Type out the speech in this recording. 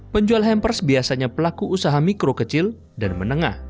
penjual hampers biasanya pelaku usaha mikro kecil dan menengah